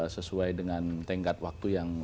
sesuai dengan tengkat waktu yang